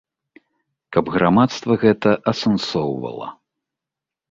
Каб грамадства гэта асэнсоўвала.